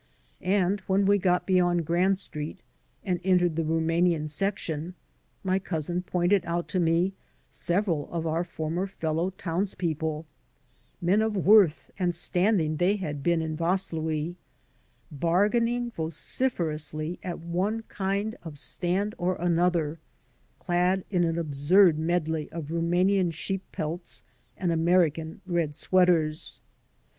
And when we got beyond Grand Street and entered the Rumanian section my cousin pointed out to me several of our former fellow townspeople — ^men of worth and standing they had been in Vaslui — ^bargaining vociferously at one kind of stand or another, clad in an absurd medley of Rumanian sheep pelts and American red sweaters.